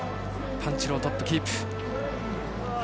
パンテュロー、トップキープ。